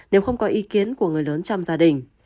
nếu không có ý kiến của người lớn trong gia đình